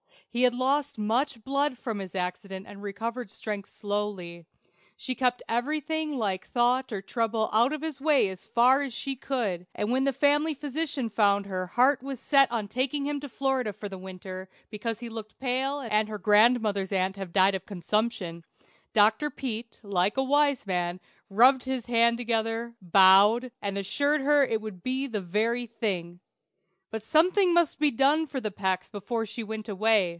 He had lost much blood from his accident and recovered strength slowly. She kept everything like thought or trouble out of his way as far as she could, and when the family physician found her heart was set on taking him to Florida for the winter, because he looked pale and her grandmother's aunt had died of consumption, Dr. Peet, like a wise man, rubbed his hands together, bowed, and assured her it would be the very thing. But something must be done for the Pecks before she went away.